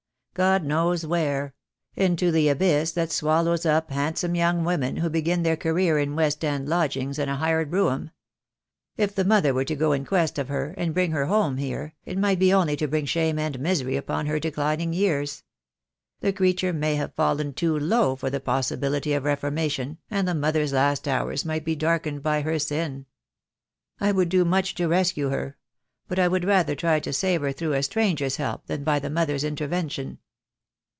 God knows where: into the abyss that swallows up handsome young women who begin their career in West End lodgings and a hired brougham. If the mother were to go in quest of her, and bring her home here, it might be only to bring shame and misery upon her declining years. The creature may have fallen too low for the possibility of reformation, and the mother's last hours might be darkened by her sin. I would do much to rescue her— but I would rather try so save her through a stranger's help than by the mother's intervention."